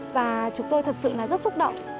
và chúng tôi thật sự là rất xúc động